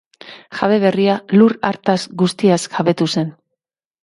Jabe berria lur hartaz guztiaz jabetu zen.